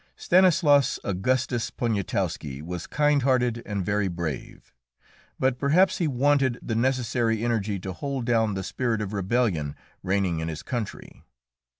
Stanislaus Augustus Poniatowski was kind hearted and very brave, but perhaps he wanted the necessary energy to hold down the spirit of rebellion reigning in his country.